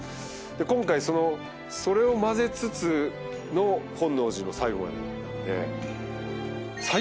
今回それを交ぜつつの本能寺の最期までなので。